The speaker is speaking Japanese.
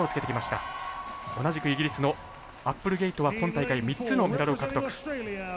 同じくイギリスのアップルゲイトは今大会３つのメダルを獲得。